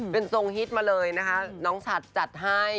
เป็นทรงฮิตมาเลยนะคะน้องฉัดจัดให้